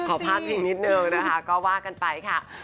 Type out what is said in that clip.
ขอภาพอีกนิดนึงนะคะก็ว่ากันไปค่ะ